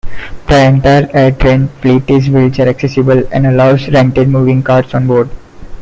The entire AirTrain fleet is wheelchair accessible and allows rented moving carts on board.